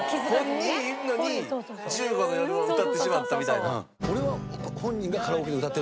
本人いるのに『１５の夜』を歌ってしまったみたいな。俺は。